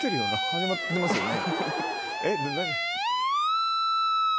始まってますよね。